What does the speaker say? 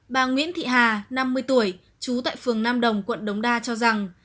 bà nguyễn thị hà năm mươi tuổi trú tại phường nam đồng quận đống đa cho rằng